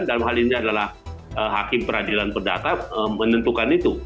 dalam hal ini adalah hakim peradilan perdata menentukan itu